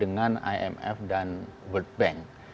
dengan imf dan world bank